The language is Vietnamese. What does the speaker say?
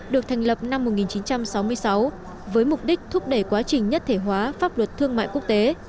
được thành lập năm một nghìn chín trăm sáu mươi sáu với mục đích thúc đẩy quá trình nhất thể hóa pháp luật thương mại quốc tế